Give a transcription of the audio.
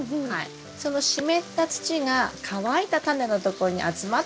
その湿った土が乾いたタネのとこに集まってきます。